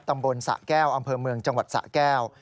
ตำบลสะแก้วอำเภอเมืองจังหวัดสะแก้ว